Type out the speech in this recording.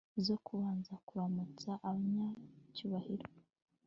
zo kubanza kuramutsa abanyacyubahiro